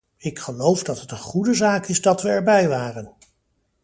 Ik geloof dat het een goede zaak is dat we erbij waren!